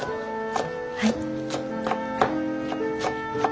はい。